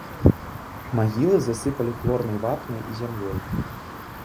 Магілы засыпалі хлорнай вапнай і зямлёй.